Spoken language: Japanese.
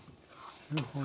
なるほど。